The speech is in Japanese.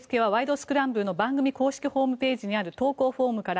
スクランブル」の番組公式ホームページにある投稿フォームから。